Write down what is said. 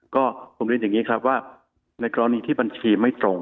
ก็ผมเรียนอย่างนี้ครับว่าในกรณีที่บัญชีไม่ตรง